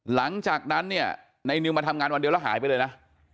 หลังจากนั้นเนี่ยในนิวมาทำงานวันเดียวแล้วหายไปเลยนะ